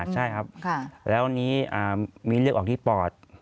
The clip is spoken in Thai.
ใช่ครับแล้วนี้มีเลือดออกที่ปอด